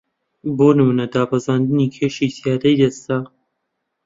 بۆ نموونە دابەزاندنی کێشی زیادەی جەستە